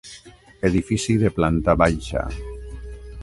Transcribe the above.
Edifici de planta baixa.